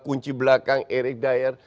kunci belakang eric dier